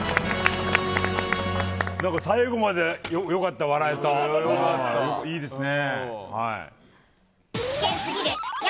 最後までよかった、笑えた、いいですね。